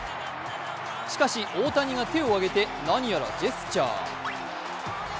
しかし、大谷が手を挙げて何やらジェスチャー。